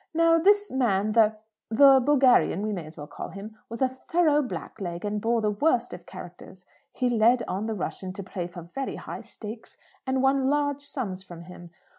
Now this man, the the Bulgarian, we may as well call him, was a thorough blackleg, and bore the worst of characters. He led on the Russian to play for very high stakes, and won large sums from him.